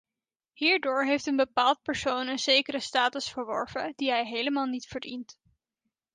Hierdoor heeft een bepaald persoon een zekere status verworven die hij helemaal niet verdient.